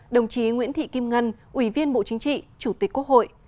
đồng chí nguyễn thị kim ngân ủy viên bộ chính trị chủ tịch quốc hội